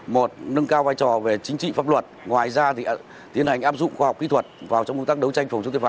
một nâng cao vai trò về chính trị pháp luật ngoài ra thì tiến hành áp dụng khoa học kỹ thuật vào trong công tác đấu tranh phòng chống tội phạm